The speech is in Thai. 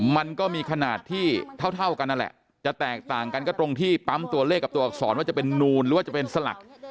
มันก็มีขนาดที่เท่ากันนั่นแหละจะแตกต่างกันก็ตรงที่ปั๊มตัวเลขกับตัวอักษรว่าจะเป็นนูนหรือว่าจะเป็นสลัก